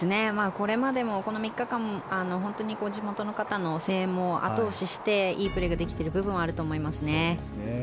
これまでもこの３日間本当に地元の方の声援も後押しして、いいプレーができている部分はあると思いますね。